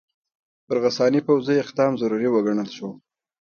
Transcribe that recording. پر غساني پوځي اقدام ضروري وګڼل شو.